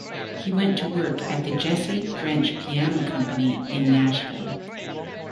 He went to work at the Jesse French Piano Company in Nashville.